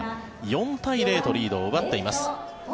４対０とリードを奪っています。